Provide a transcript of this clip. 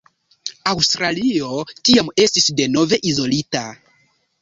Aŭstralio tiam estis denove izolita.